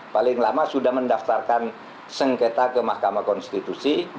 paling lama sudah mendaftarkan sengketa ke mahkamah konstitusi